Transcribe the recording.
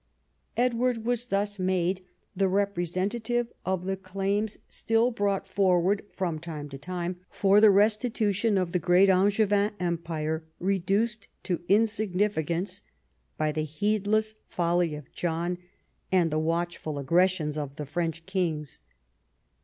Edward Avas thus made the representative of the claims still brought forward from time to time for the restitution of the great Angevin Empire, reduced to insignificance by the heedless folly of John and the watchful aggressions of the French kings.